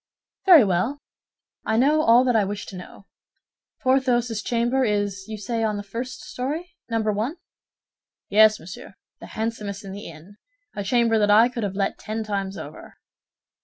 "Very well; I know all that I wish to know. Porthos's chamber is, you say, on the first story, Number One?" "Yes, monsieur, the handsomest in the inn—a chamber that I could have let ten times over."